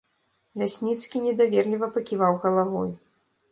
Лясніцкі недаверліва паківаў галавой.